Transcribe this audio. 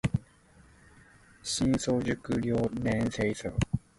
深思熟慮諗清楚